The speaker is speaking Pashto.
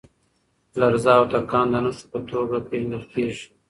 لرزه او تکان د نښو په توګه پېژندل کېږي.